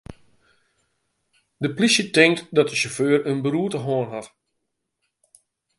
De plysje tinkt dat de sjauffeur in beroerte hân hat.